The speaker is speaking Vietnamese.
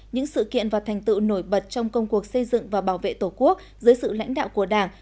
những sự kiện và thành tựu nổi bật trong công cuộc xây dựng và bảo vệ tổ quốc dưới sự lãnh đạo của đảng